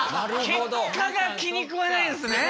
結果が気にくわないんですね。